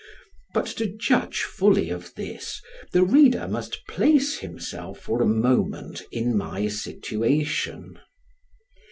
but to judge fully of this, the reader must place himself for a moment in my situation.